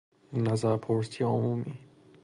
نظرپرسی عمومی